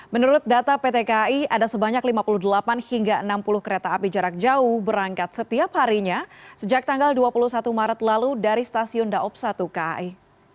menurut data pt kai ada sebanyak lima puluh delapan hingga enam puluh kereta api jarak jauh berangkat setiap harinya sejak tanggal dua puluh satu maret lalu dari stasiun daob satu kai